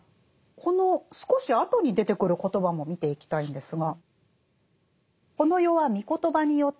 この少し後に出てくる言葉も見ていきたいんですが。